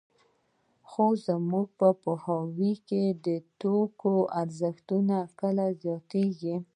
خو موږ پوهېږو د توکو ارزښت کله زیاتېږي